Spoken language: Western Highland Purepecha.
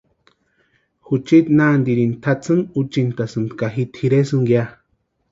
Juchiti nantiri tʼatsïni úchintasti ka ji tʼireska ya.